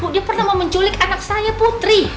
dia pernah menculik anak saya putri